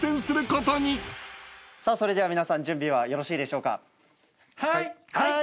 それでは皆さん準備はよろしいでしょうか？